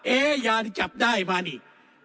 เอ๊ยาที่จับได้มานี่